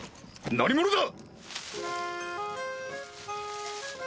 ・何者だ！